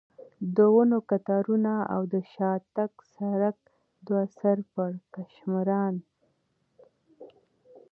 د ونو کتارونه او د شاتګ سړک، دوه سر پړکمشران.